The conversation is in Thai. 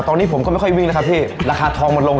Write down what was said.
ตอนนี้ผมก็ไม่ค่อยวิ่งแล้วครับพี่ราคาทองมันลง